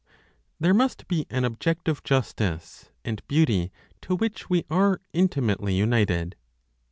THERE MUST BE AN OBJECTIVE JUSTICE AND BEAUTY TO WHICH WE ARE INTIMATELY UNITED.